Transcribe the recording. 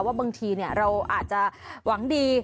บางทีเราอาจจะหวังดี